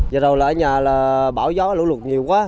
giờ đầu là ở nhà là bão gió lũ lụt nhiều quá